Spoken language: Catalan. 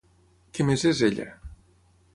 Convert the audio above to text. Què més és ella?